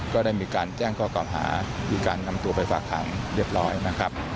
ก็ได้มีการแจ้งข้อเก่าหามีการนำตัวไปฝากหางเรียบร้อยนะครับ